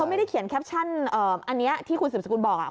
ไม่ได้เขียนแคปชั่นอันนี้ที่คุณสืบสกุลบอก